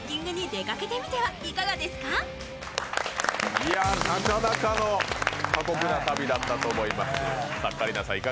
いや、なかなかの過酷な旅立ったと思います。